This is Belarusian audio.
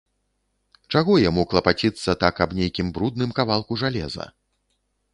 Чаго яму клапаціцца так аб нейкім брудным кавалку жалеза?